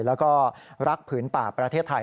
แล้วก็รักผืนป่าประเทศไทย